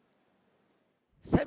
saya mau sampaikan